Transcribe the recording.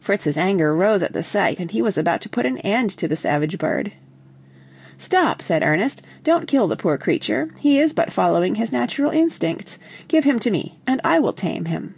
Fritz's anger rose at the sight, and he was about to put an end to the savage bird. "Stop," said Ernest, "don't kill the poor creature, he is but following his natural instincts; give him to me, and I will tame him."